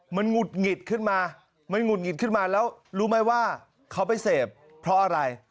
มันหงุดหงิดขึ้นมามันหุดหงิดขึ้นมาแล้วรู้ไหมว่าเขาไปเสพเพราะอะไร